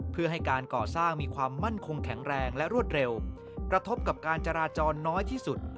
เพื่อให้การก่อสร้างมีความมั่นคงแข็งแรงและรวดเร็วกระทบกับการจราจรน้อยที่สุด